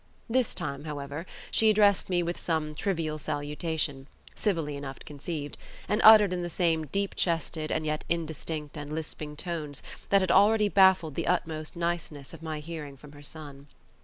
This time, however, she addressed me with some trivial salutation, civilly enough conceived, and uttered in the same deep chested, and yet indistinct and lisping tones, that had already baffled the utmost niceness of my hearing from her son.